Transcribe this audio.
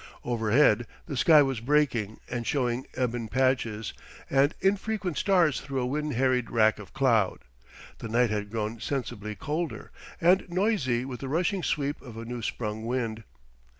Overhead the sky was breaking and showing ebon patches and infrequent stars through a wind harried wrack of cloud. The night had grown sensibly colder, and noisy with the rushing sweep of a new sprung wind.